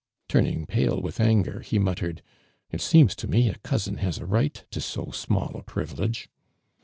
Turning pale with anger, he muttere<l : ••It seems to me a cousin has a right to so r^niall a privilege